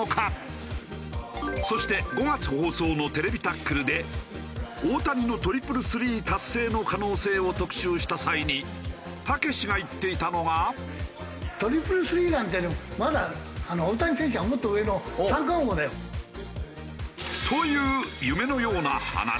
そして５月放送の『ＴＶタックル』で大谷のトリプルスリー達成の可能性を特集した際にたけしが言っていたのが。という夢のような話。